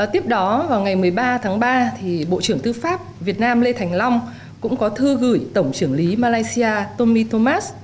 tiếp đó vào ngày một mươi ba tháng ba bộ trưởng tư pháp việt nam lê thành long cũng có thư gửi tổng trưởng lý malaysia tomi thomas